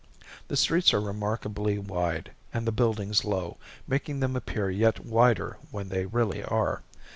The streets are remarkably wide and the buildings low, making them appear yet wider than they really are.